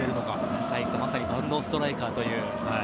多彩さまさに万能ストライカーという。